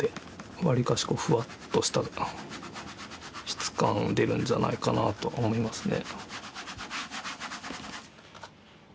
わりかしこうふわっとした質感出るんじゃないかなと思いますね。